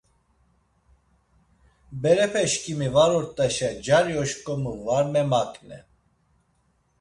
Berepeşkimi var ort̆aşa cari oşǩomu var memaǩnen.